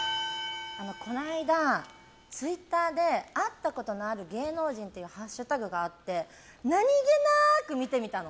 この間、ツイッターで会ったことのある芸能人っていうハッシュタグがあって何気なく見てみたの。